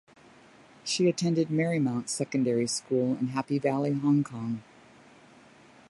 She attended Marymount Secondary School in Happy Valley, Hong Kong.